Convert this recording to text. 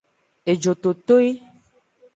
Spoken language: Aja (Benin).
Ejototoi.